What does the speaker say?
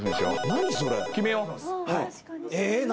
何それ。